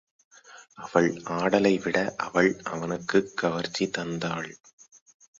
அவள் ஆடலைவிட அவள் அவனுக்குக் கவர்ச்சி தந்தாள்.